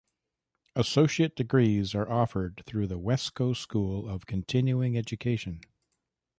Associate degrees are offered through the Wescoe School of Continuing Education.